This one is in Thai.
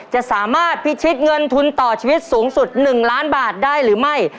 จะสามารถพิชิตเงินทุนต่อชีวิตสูงสุด๑ล้านบาทได้หรือไม่